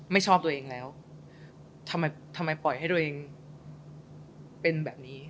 ไม่ชอบตัวเองแล้วทำไมทำไมปล่อยให้ตัวเองเป็นแบบนี้